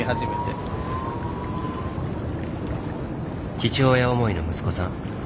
父親思いの息子さん。